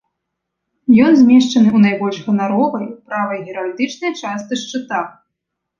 Ён змешчаны ў найбольш ганаровай, правай геральдычнай частцы шчыта.